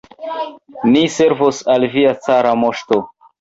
Ni servos al via cara moŝto!